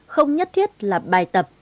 không nhất thiết là bài tập